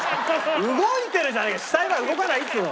動いてるじゃんよ！